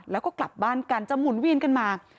แล้วก็กลับบ้านกันจะหมุนเวียนกันมา